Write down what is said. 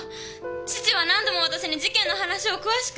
父は何度も私に事件の話を詳しく。